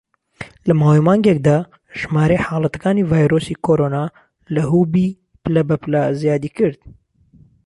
لە ماوەی مانگێکدا، ژمارەی حاڵەتەکانی ڤایرۆسی کۆرۆنا لە هوبی پلە بە پلە زیادی کرد.